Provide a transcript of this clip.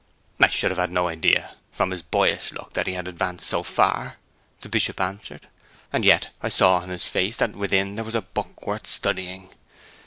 'I should have had no idea, from his boyish look, that he had advanced so far,' the Bishop answered. 'And yet I saw on his face that within there was a book worth studying.